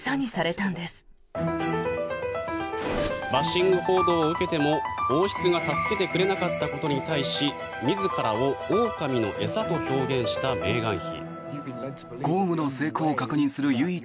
バッシング報道を受けても王室が助けてくれなかったことに対し自らをオオカミの餌と表現したメーガン妃。